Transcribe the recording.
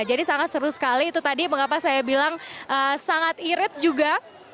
jadi sangat seru sekali itu tadi mengapa saya bilang sangat irit juga